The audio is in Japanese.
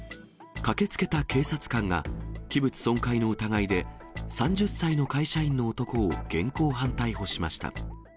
駆けつけた警察官が器物損壊の疑いで、３０歳の会社員の男を現行犯逮捕しました。